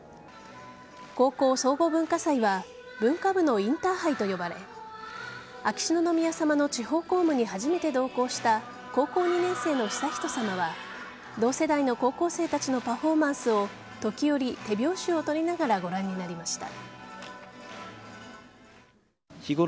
高校総合文化祭は文化部のインターハイと呼ばれ秋篠宮さまの地方公務に初めて同行した高校２年生の悠仁さまは同世代の高校生たちのパフォーマンスを時折、手拍子を取りながらご覧になりました。